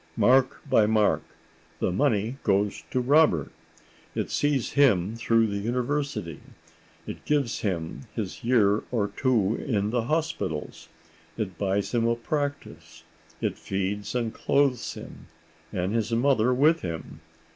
Mark by mark, the money goes to Robert. It sees him through the university; it gives him his year or two in the hospitals; it buys him a practice; it feeds and clothes him, and his mother with him.